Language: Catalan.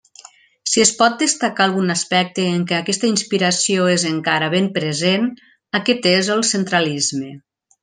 Si es pot destacar algun aspecte en què aquesta inspiració és encara ben present, aquest és el centralisme.